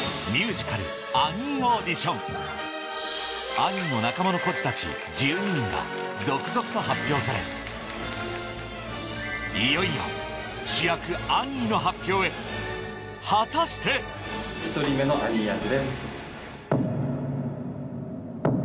アニーの仲間の孤児たち１２人が続々と発表されいよいよ主役アニーの発表へ果たして１人目のアニー役です。